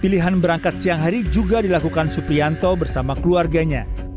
pilihan berangkat siang hari juga dilakukan suprianto bersama keluarganya